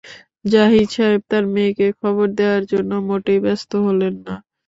জাহিদ সাহেব তাঁর মেয়েকে খবর দেয়ার জন্যে মোটেই ব্যস্ত হলেন না।